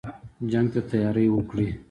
جنګ ته تیاری وکړی.